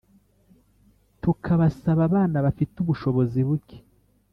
tukabasaba abana bafite ubushobozi buke.